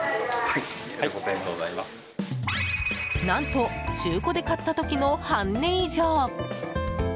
何と、中古で買った時の半値以上！